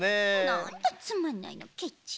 なんだつまんないのケチ。